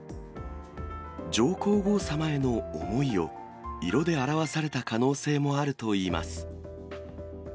上皇后さまへの思いを色で表された可能性もあるといいます。